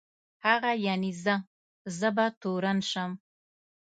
هغه یعني زه، زه به تورن شم.